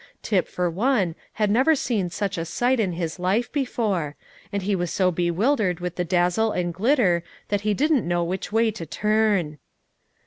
Tip, for one, had never seen such a sight in his life before, and he was so bewildered with the dazzle and glitter that he didn't know which way to turn.